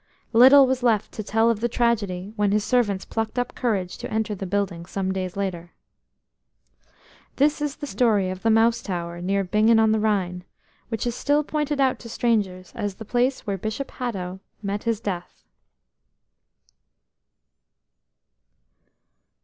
Little was left to tell of the tragedy when his servants plucked up courage to enter the building some days later. This is the story of the Mouse Tower near Bingen on the Rhine, which is still pointed out to strangers as the place where Bishop Hatto met his death.